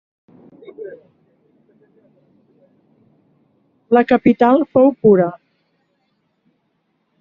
La capital fou Pura.